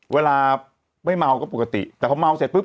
เวลาไม่เมาก็ปกติแต่พอเมาเสร็จปุ๊